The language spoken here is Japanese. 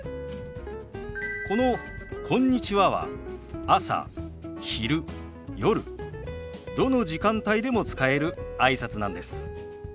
この「こんにちは」は朝昼夜どの時間帯でも使えるあいさつなんです。